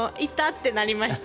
てなりました。